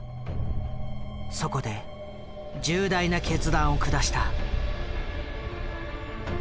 そこで重大な決断を下した。